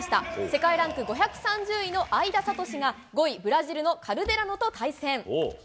世界ランク５３０位の英田理志が５位、ブラジルのカルデラノと対戦。